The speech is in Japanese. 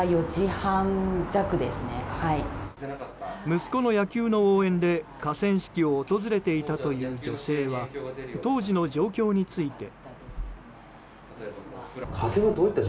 息子の野球の応援で河川敷を訪れていたという女性は当時の状況について。